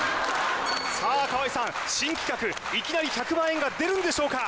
さあ川合さん新企画いきなり１００万円が出るんでしょうか？